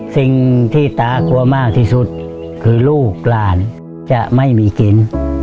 สิ่งที่ตากลัวมากที่สุดคือลูกหลานจะไม่มีกิน